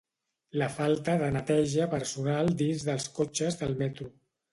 La falta de neteja personal dins dels cotxes del metro.